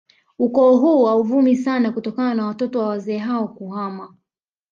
Ukoo huu hauvumi sana kutokana na watoto wa wazee hao kuhama